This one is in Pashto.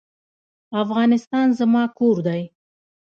افغانستان زما کور دی